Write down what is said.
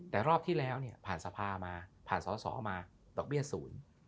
แต่รอบที่แล้วเนี่ยผ่านสภามาผ่านสอสอมาดอกเบี้ยศูนย์